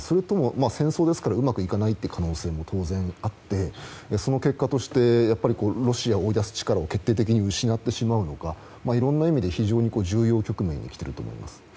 戦争ですからうまくいかない可能性も当然あってその結果としてロシアを追い出す力を決定的に失ってしまうのかいろんな意味で非常に重要局面に来ていると思います。